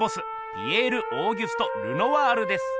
ピエール＝オーギュスト・ルノワールです。